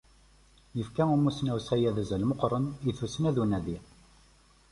Yefka umussnaw Sayad azal meqqren i tussna d unadi.